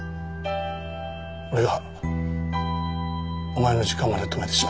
俺がお前の時間まで止めてしまった。